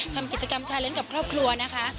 ทำกิจกรรมของชายเล่นทำกับครอบครัวนะคะ